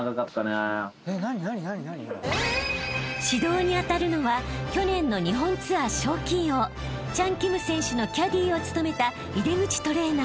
［指導に当たるのは去年の日本ツアー賞金王チャン・キム選手のキャディーを務めた］